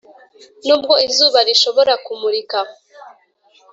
nubwo izuba rishobora kumurika,